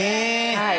はい。